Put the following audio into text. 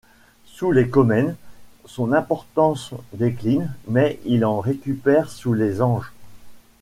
Sous les Comnène, son importance décline, mais il en récupère sous les Ange.